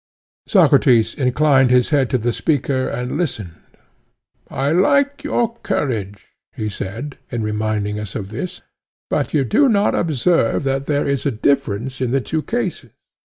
Socrates inclined his head to the speaker and listened. I like your courage, he said, in reminding us of this. But you do not observe that there is a difference in the two cases.